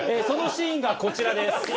そのシーンがこちらです。